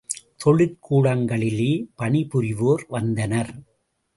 தொழிற் கூடங்கிகளிலே பணிபுரிவோர் வந்தனர்.